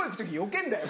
けんだよ。